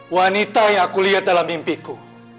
wanita yang aku lihat dalam mimpiku